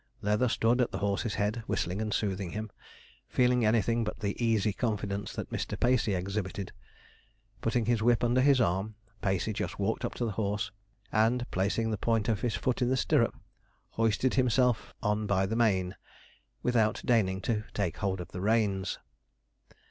Leather stood at the horse's head, whistling and soothing him, feeling anything but the easy confidence that Mr. Pacey exhibited. Putting his whip under his arm, Pacey just walked up to the horse, and, placing the point of his foot in the stirrup, hoisted himself on by the mane, without deigning to take hold of the reins.